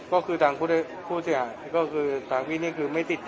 ก็คือทางพูดสิอะก็คือทางพี่นี่คือไม่ติดใจ